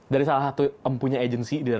dari salah satu empunya agensi di